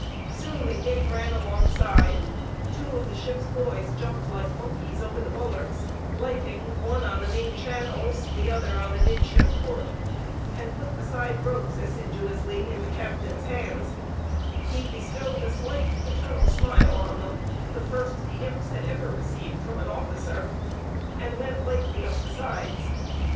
Soon the gig ran alongside; two of the ship's boys jumped like monkeys over the bulwarks, lighting, one on the main channels, the other on the midship port, and put the side ropes assiduously in the captain's hands; he bestowed a slight paternal smile on them, the first the imps had ever received from an officer, and went lightly up the sides.